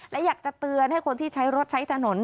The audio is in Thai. และอยากจะเตือนให้คนที่ใช้รถใช้ถนน